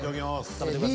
食べてください。